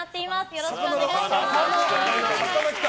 よろしくお願いします！